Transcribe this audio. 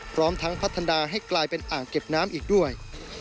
พร้อมทั้งพัฒนาให้กลายเป็นอ่างเก็บน้ำอีกด้วย